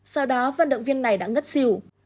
sau đó vận động viên này đã ngất xỉu